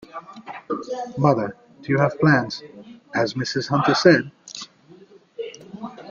Mother, do you have plans, as Mrs. Hunter said?